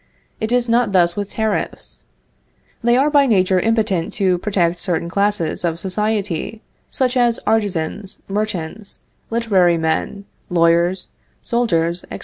It is not thus with tariffs. They are by nature impotent to protect certain classes of society, such as artizans, merchants, literary men, lawyers, soldiers, etc.